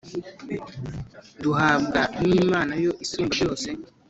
duhabwa nimana yo isumba byose